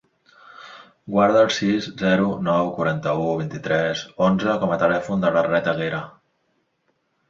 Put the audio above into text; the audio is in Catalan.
Guarda el sis, zero, nou, quaranta-u, vint-i-tres, onze com a telèfon de l'Arlet Aguera.